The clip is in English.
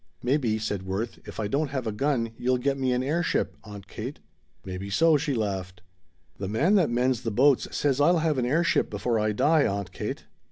"Maybe," said Worth, "if I don't have a gun you'll get me an air ship, Aunt Kate." "Maybe so," she laughed. "The man that mends the boats says I'll have an air ship before I die, Aunt Kate."